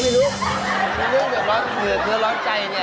มีเรื่องเดือดเนื้อร้อนใจเนี่ย